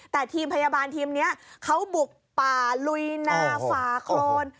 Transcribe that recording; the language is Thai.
แต่ทีมพยาบาลทีมนี้เขาบุกป่าลุยนาฝ่าโครน